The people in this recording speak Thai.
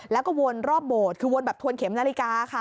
แล้วก็วนรอบโบสถ์คือวนแบบทวนเข็มนาฬิกาค่ะ